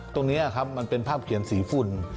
ตรงนี้ครับมันเป็นภาพเขียนสีฝุ่น